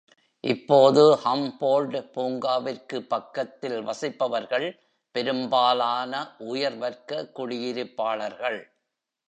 இப்போது ஹம்போல்ட் பூங்காவிற்கு பக்கத்தில் வசிப்பவர்கள் பெரும்பாலான உயர் வர்க்க குடியிருப்பாளர்கள்.